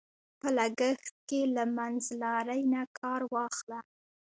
په لګښت کې له منځلارۍ نه کار واخله.